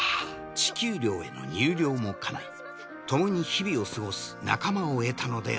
地球寮への入寮もかないともに日々を過ごす仲間を得たのであった